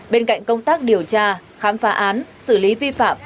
bên cạnh công tác điều tra khám phá án xử lý vi phạm